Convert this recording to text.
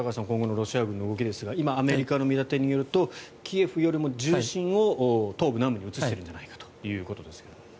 今後のロシア軍の動きですがアメリカの見立てによるとキエフよりも重心を東部、南部に移してるんじゃないかということですが。